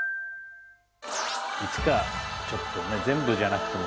いつかちょっとね全部じゃなくても。